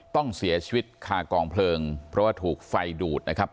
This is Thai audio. ต้องเสียชีวิตคากองเพลิงเพราะว่าถูกไฟดูดนะครับ